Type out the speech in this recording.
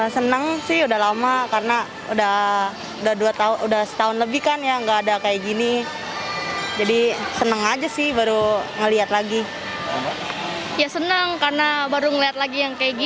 senang sih melihat kayak gini lagi